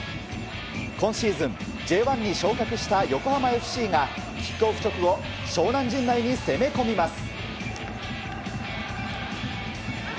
今シーズン、Ｊ１に昇格した横浜ＦＣがキックオフ直後湘南陣内に攻め込みます。